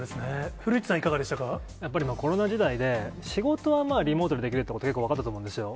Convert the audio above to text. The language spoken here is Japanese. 古市さん、やっぱりコロナ時代で、仕事はまあ、リモートでできるってこと、結構分かったと思うんですよ。